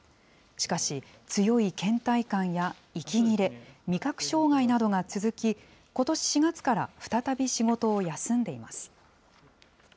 しかし、強いけん怠感や息切れ、味覚障害などが続き、ことし４月から再び仕事を休んでいます。